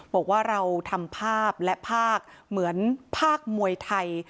บอกว่าเราทำภาพและภาคเหมือนภาคมวยไทย